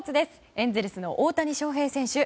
エンゼルスの大谷翔平選手